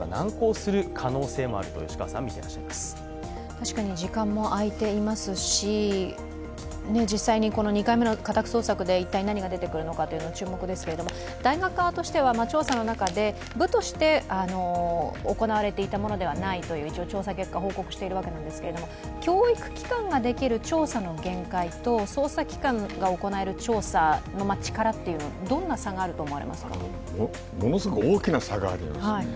確かに時間もあいていますし、実際にこの２回目の家宅捜索で一体何が出てくるのかは注目ですけど大学側としては調査の中で、部として行われていたものではないという調査結果を報告しているわけですが教育機関ができる調査の限界と、捜査機関が行う捜査の力はものすごく大きな差があると思うんです。